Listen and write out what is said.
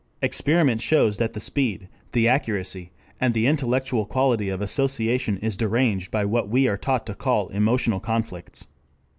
Experiment shows that the speed, the accuracy, and the intellectual quality of association is deranged by what we are taught to call emotional conflicts.